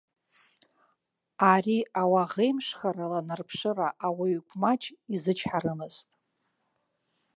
Ари ауаӷеимшхара ланарԥшыра ауаҩ-гәмаҷ изычҳарымызт.